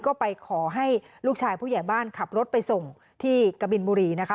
ก็ไปขอให้ลูกชายผู้ใหญ่บ้านขับรถไปส่งที่กะบินบุรีนะคะ